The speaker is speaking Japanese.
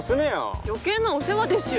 余計なお世話ですよ。